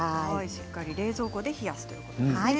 しっかり冷蔵庫で冷やすということですね。